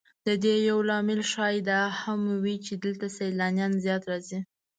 د دې یو لامل ښایي دا هم وي چې دلته سیلانیان زیات راځي.